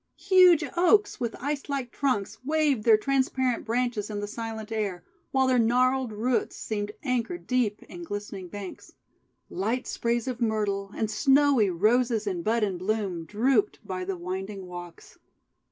Huge Oaks, with ice like trunks, waved their transparent branches in the silent air; while their gnarled roots seemed anchored deep in glistening banks. Light sprays of Myrtle, and snowy Roses in bud and bloom, drooped by the winding walks.